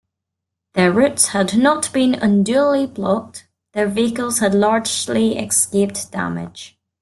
Their routes had not been unduly blocked; their vehicles had largely escaped damage.